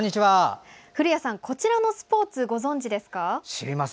古谷さん、こちらのスポーツご存じですか。